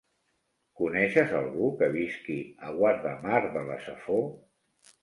Coneixes algú que visqui a Guardamar de la Safor?